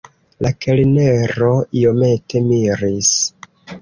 La kelnero iomete miris.